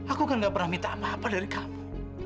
aku kan gak pernah minta apa apa dari kamu